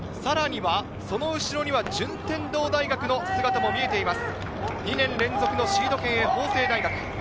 その後ろには順天堂大学の姿も見えています。